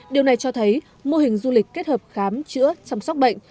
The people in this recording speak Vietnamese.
điều này cho thấy mô hình du lịch kết hợp khám chữa chăm sóc bệnh